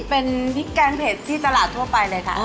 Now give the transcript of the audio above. เป็นพริกแกงเผ็ดที่ตลาดทั่วไปเลยค่ะ